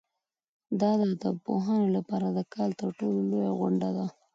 دا د ادبپوهانو لپاره د کال تر ټولو لویه غونډه ده.